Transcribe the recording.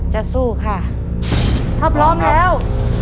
จะสู้ค่ะถ้าพร้อมแล้ว